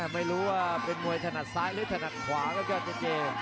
ไม่รู้ว่าเป็นมวยถนัดซ้ายหรือถนัดขวาครับยอดเจเจ